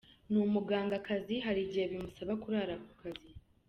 Ni umuganga kazi hari igihe bimusaba kurara ku kazi.